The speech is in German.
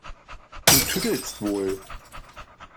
Du tüdelst wohl!